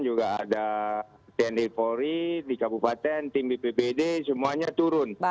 juga ada tni polri di kabupaten tim bpd semuanya turun